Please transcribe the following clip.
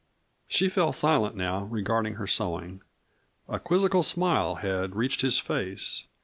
She fell silent now, regarding her sewing. A quizzical smile had reached his face.